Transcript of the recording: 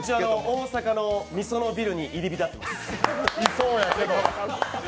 大阪のミソノビルに入り浸ってます。